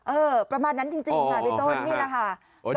เออประมาณนั้นจริงค่ะพี่ต้น